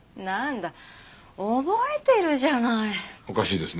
なんだ覚えてるじゃない。